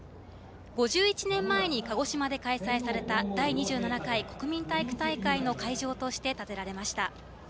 ５１年前に鹿児島で開催された第２７回国民体育大会の会場として建てられました。